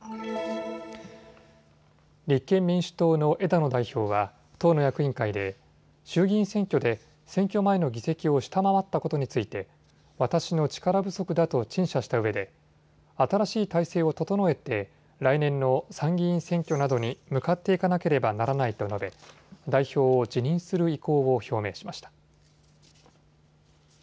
立憲民主党の枝野代表は党の役員会で衆議院選挙で選挙前の議席を下回ったことについて私の力不足だと陳謝したうえで新しい体制を整えて来年の参議院選挙などに向かっていかなければならないと述べ代表を辞任する意向を表明しました。